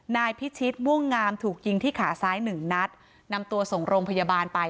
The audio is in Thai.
นายพิชิตม่วงงามถูกยิงที่ขาซ้ายหนึ่งนัดนำตัวส่งโรงพยาบาลไป